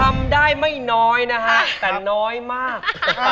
ทำได้ไม่น้อยนะฮะแต่น้อยมาก